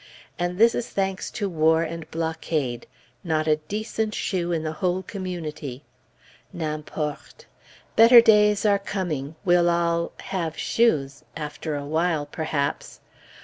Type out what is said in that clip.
And this is thanks to war and blockade! Not a decent shoe in the whole community! N'importe! "Better days are coming, we'll all" have shoes after a while perhaps!